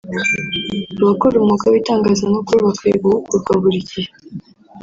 Abakora umwuga w’Itangazamakuru bakwiye guhugurwa buri gihe